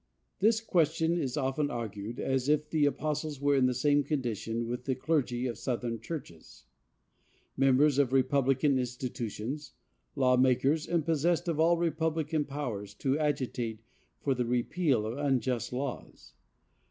This question is often argued as if the apostles were in the same condition with the clergy of Southern churches, members of republican institutions, law makers, and possessed of all republican powers to agitate for the repeal of unjust laws.